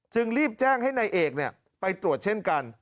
จึงรีบแจ้งให้ในเอกเนี่ยไปตรวจเช่นกัน